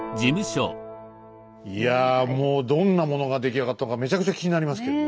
いやもうどんなものが出来上がったかめちゃくちゃ気になりますけどもね。